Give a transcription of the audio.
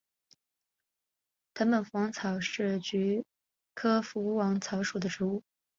藤本福王草是菊科福王草属的植物。